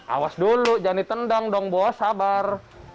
awas dulu jangan ditendang dong bos sabar